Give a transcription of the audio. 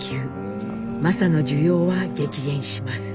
柾の需要は激減します。